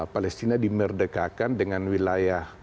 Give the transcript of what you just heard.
palestina dimerdekakan dengan wilayah